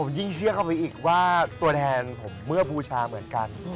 ยิ่งเชื่อเข้าไปอีกว่าตัวแทนผมเมื่อบูชาเหมือนกัน